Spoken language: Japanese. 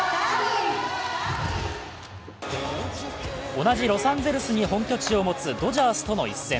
同じロサンゼルスに本拠地を持つドジャースとの一戦